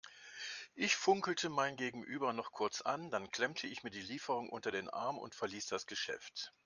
Ich funkelte mein Gegenüber noch kurz an, dann klemmte ich mir die Lieferung unter den Arm und verließ das Geschäft.